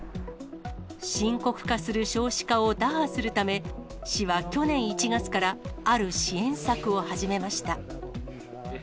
深刻化する少子化を打破するため、市は去年１月からある支援策を始めました。